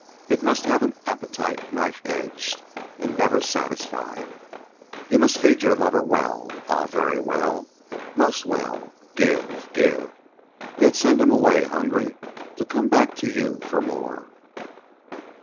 It must have an appetite knife edged and never satisfied. You must feed your lover well, ah, very well, most well; give, give, yet send him away hungry to come back to you for more."